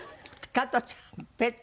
加トちゃんペッ。